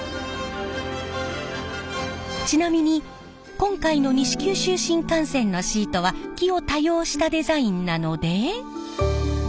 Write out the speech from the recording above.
ちなみに今回の西九州新幹線のシートは木を多用したデザインなので。